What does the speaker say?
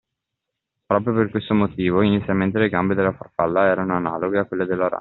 Proprio per questo motivom inizialmente le gambe della farfalla erano analoghe a quelle della rana.